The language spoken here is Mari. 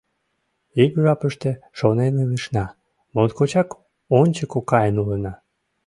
— Ик жапыште шонен илышна: моткочак ончыко каен улына.